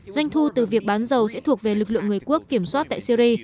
doanh thu từ việc bán dầu sẽ thuộc về lực lượng người quốc kiểm soát tại syri